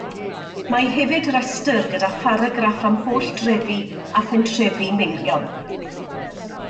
Mae hefyd restr gyda pharagraff am holl drefi a phentrefi Meirion.